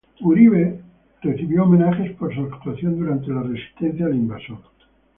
Uribe recibió homenajes por su actuación durante la resistencia al invasor.